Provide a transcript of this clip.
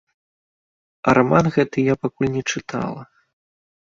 А раман гэты я пакуль не чытала.